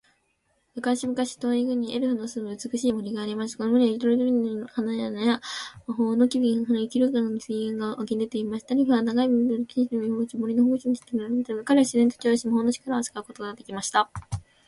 昔々、遠い国にエルフの住む美しい森がありました。この森は、色とりどりの花々や魔法の木々で溢れ、清らかな水源が湧き出ていました。エルフは、長い耳と美しい瞳を持ち、森の守護者として知られていました。彼らは自然と調和し、魔法の力を扱うことができました。